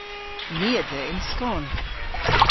Ni a dheu yn skon.